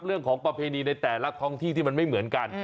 เรื่องของประเพณีในแต่ละครที่ที่มันไม่เหมือนกัน